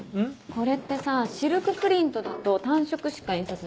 これってさぁシルクプリントだと単色しか印刷できないの？